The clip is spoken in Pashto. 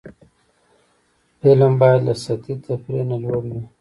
فلم باید له سطحي تفریح نه لوړ وي